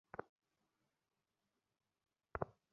এখনো বিভার প্রতি রামচন্দ্র রায়ের আসক্তির মত একটা ভাব আছে।